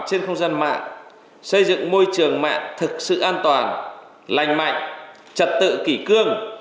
trên không gian mạng xây dựng môi trường mạng thực sự an toàn lành mạnh trật tự kỷ cương